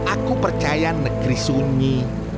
aku percaya negeri sunyi